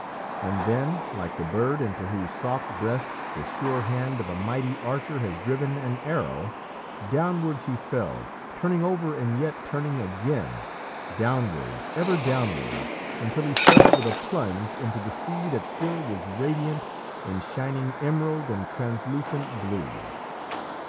And then, like the bird into whose soft breast the sure hand of a mighty archer has driven an arrow, downwards he fell, turning over and yet turning again, downwards, ever downwards, until he fell with a plunge into the sea that still was radiant in shining emerald and translucent blue.